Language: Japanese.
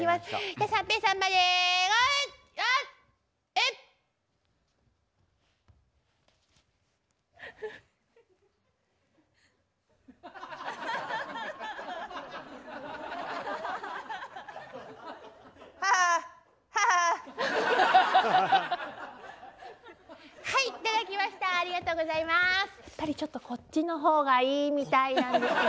やっぱりちょっとこっちのほうがいいみたいなんですが。